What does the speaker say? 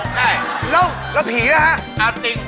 ใช่แล้วผีนะฮะอาติง